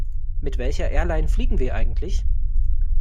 Mit welcher Airline fliegen wir eigentlich?